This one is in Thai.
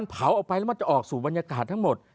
เผาออกไปแล้วมันจะออกสู่บรรยากาศทั้งหมด